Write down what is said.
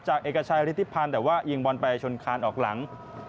เอกชัยฤทธิพันธ์แต่ว่ายิงบอลไปชนคานออกหลัง